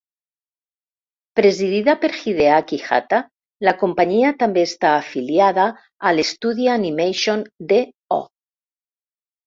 Presidida per Hideaki Hatta, la companyia també està afiliada a l'estudi Animation Do.